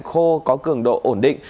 khô có cường độ ổn định